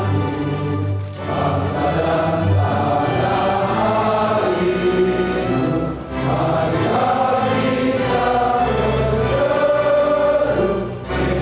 hidup tanahku hidup tanahimu bangsa ku rakyatku semua